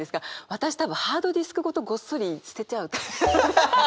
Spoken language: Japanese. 私多分ハードディスクごとごっそり捨てちゃう。